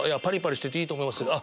パリパリしてていいと思います。